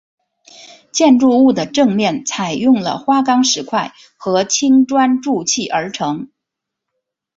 建筑物的正面采用了花岗石块和青砖筑砌而成。